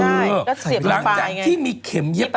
เออหลังจากที่มีเข็มเย็บผ้า